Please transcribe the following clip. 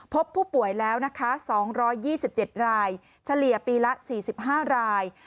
พบผู้ป่วยแล้วนะคะ๒๒๗รายเฉลี่ยปีละ๔๕ราย